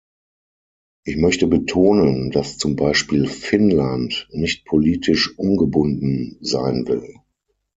Ich möchte betonen, dass zum Beispiel Finnland nicht politisch ungebunden sein will.